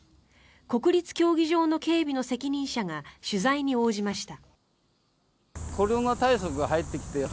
国立競技場の警備の責任者が取材に応じました。